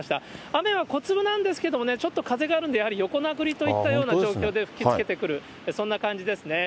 雨は小粒なんですけどもね、ちょっと風があるんで、やはり横殴りといったような状況で吹きつけてくる、そんな感じですね。